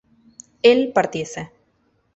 él partiese